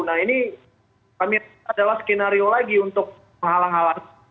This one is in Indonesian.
nah ini kami adalah skenario lagi untuk menghalang halangi